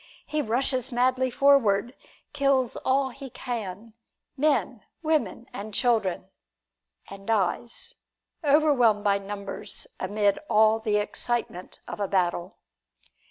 He rushes madly forward, kills all he can men, women and children and dies, overwhelmed by numbers, amid all the excitement of a battle.